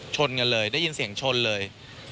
ชนกันเลยได้ยินเสียงชนเลย